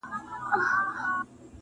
راووځه په ورک ضمن کي ګمنامه، محبته!!